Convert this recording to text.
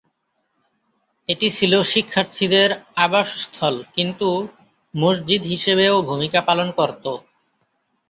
এটি ছিল শিক্ষার্থীদের আবাসস্থল কিন্তু মসজিদ হিসেবেও ভূমিকা পালন করত।